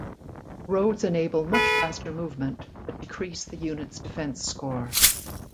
Roads enable much faster movement, but decrease the unit's defense score.